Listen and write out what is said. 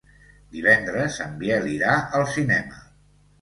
Divendres en Biel irà al cinema.